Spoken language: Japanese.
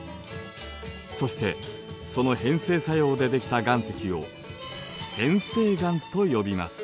そしてその変成作用でできた岩石を変成岩と呼びます。